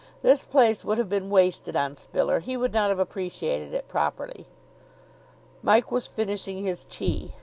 This place would have been wasted on Spiller; he would not have appreciated it properly." Mike was finishing his tea.